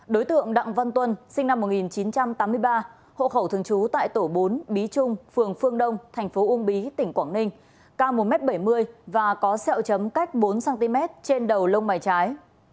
đối tượng đặng văn tuân sinh năm một nghìn chín trăm tám mươi ba hộ khẩu thường trú tại tổ bốn bí trung phường phương đông thành phố uông bí tỉnh quảng ninh cao một m bảy mươi và có sẹo chấm cách bốn cm trên đầu lông mày trái